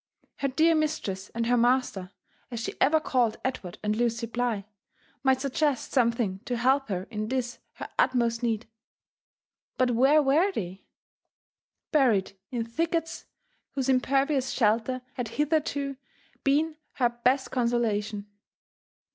Her dear mistress and her master, as she ever called Edward and Lucy Bligh, might suggest something to help her in this her utmost need. But where were they? — ^Buried in thickets whose impervious shelter had hitherto been her best con solation.